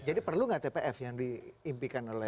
perlu nggak tpf yang diimpikan oleh